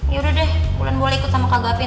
yaudah deh bulan boleh ikut sama kak gapin